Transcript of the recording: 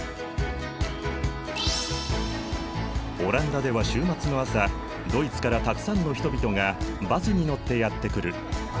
オランダでは週末の朝ドイツからたくさんの人々がバスに乗ってやって来る。